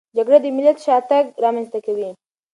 جګړه د ملت شاتګ رامنځته کوي.